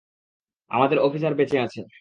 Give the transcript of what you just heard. আমাদের অফিসার বেঁচে আছে।